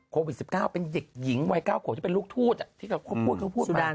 โควิด๑๙เป็นเด็กหญิงวัย๙ขวบที่เป็นลูกทูตที่เขาพูดเขาพูดมา